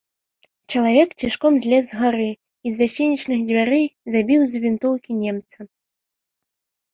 Чалавек цішком злез з гары і з-за сенечных дзвярэй забіў з вінтоўкі немца.